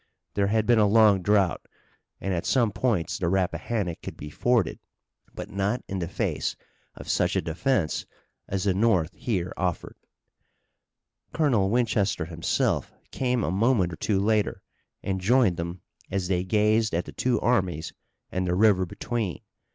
There had been a long drought, and at some points the Rappahannock could be forded, but not in the face of such a defence as the North here offered. Colonel Winchester himself came a moment or two later and joined them as they gazed at the two armies and the river between.